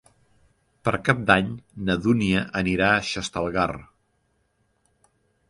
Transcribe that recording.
Per Cap d'Any na Dúnia anirà a Xestalgar.